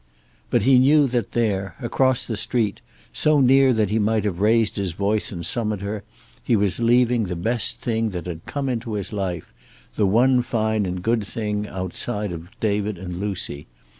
But he knew that there, across the street, so near that he might have raised his voice and summoned her, he was leaving the best thing that had come into his life; the one fine and good thing, outside of David and Lucy.